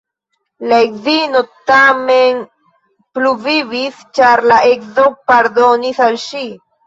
La edzino tamen pluvivis, ĉar la edzo pardonis al ŝi.